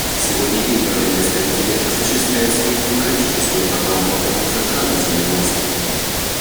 Сегодня избранные представители осуществляют свои демократические права в органах законодательной власти.